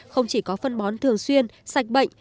không chỉ có phân bón thường xuyên sạch bệnh